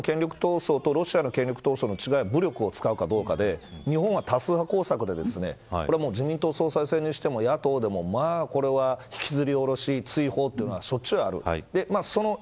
ただ、日本での権力闘争とロシアでの権力闘争の違いは武力を使うかどうかで日本は多数派工作で自民党でも野党でもこれは引きずり下ろし追放というのはしょっちゅうある。